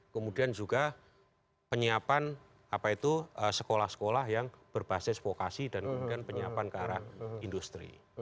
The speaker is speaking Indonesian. kemudian juga penyiapan sekolah sekolah yang berbasis vokasi dan kemudian penyiapan ke arah industri